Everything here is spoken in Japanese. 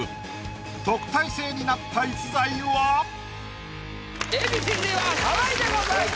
特待生になった逸材は⁉Ａ．Ｂ．Ｃ−Ｚは河合でございます。